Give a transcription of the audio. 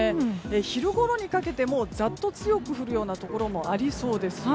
昼ごろにかけてざっと強く降るようなところもありそうです。